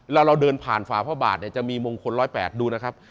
แล้วเราเดินผ่านฝาพระบาทเนี่ยจะมีมงคล๑๐๘ดูนะครับ